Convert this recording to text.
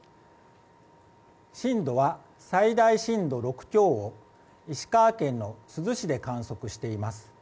震度は最大震度６強を石川県の珠洲市で観測しています。